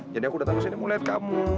jadi aku datang ke sini mau lihat kamu